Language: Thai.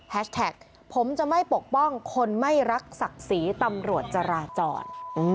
แท็กผมจะไม่ปกป้องคนไม่รักศักดิ์ศรีตำรวจจราจร